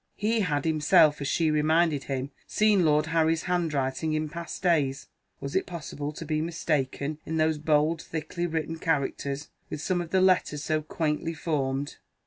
He had himself, as she reminded him, seen Lord Harry's handwriting in past days. Was it possible to be mistaken in those bold thickly written characters, with some of the letters so quaintly formed?